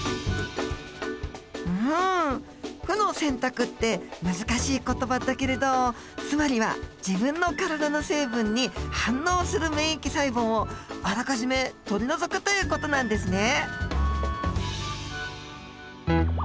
うん負の選択って難しい言葉だけれどつまりは自分の体の成分に反応する免疫細胞をあらかじめ取り除くという事なんですね。